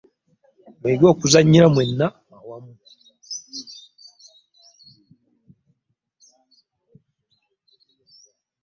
Muyige okuzanyira mwena ewamu.